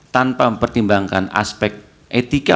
tanpa mempertimbangkan aspek etika